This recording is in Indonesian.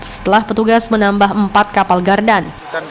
setelah petugas menambah empat kapal gardan